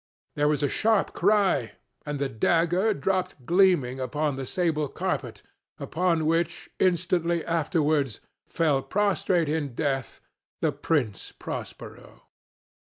There was a sharp cry—and the dagger dropped gleaming upon the sable carpet, upon which, instantly afterwards, fell prostrate in death the Prince Prospero.